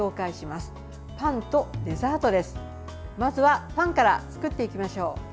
まずはパンから作っていきましょう。